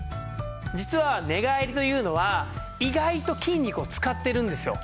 実は寝返りというのは意外と筋肉を使っているんですよ。